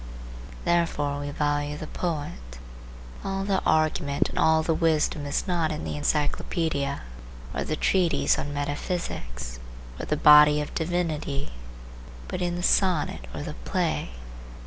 Therefore we value the poet. All the argument and all the wisdom is not in the encyclopaedia, or the treatise on metaphysics, or the Body of Divinity, but in the sonnet or the play.